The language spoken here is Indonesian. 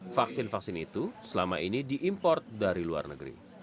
vaksin vaksin itu selama ini diimport dari luar negeri